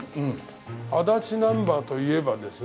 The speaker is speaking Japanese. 足立ナンバーといえばですね